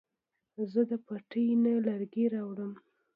زه د پټي نه لرګي راوړم